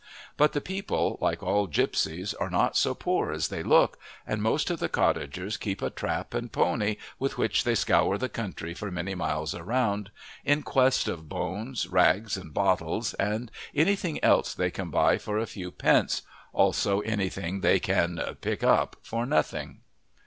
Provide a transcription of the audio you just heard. But the people, like all gipsies, are not so poor as they look, and most of the cottagers keep a trap and pony with which they scour the country for many miles around in quest of bones, rags, and bottles, and anything else they can buy for a few pence, also anything they can "pick up" for nothing.